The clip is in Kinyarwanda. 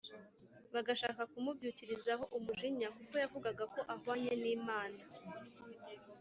bagashaka kumubyukirizaho umujinya kuko yavugaga ko ahwanye n’Imana.